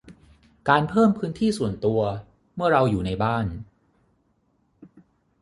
การเพิ่มพื้นที่ส่วนตัวเมื่อเราอยู่ในบ้าน